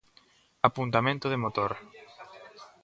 Apuntamento de motor.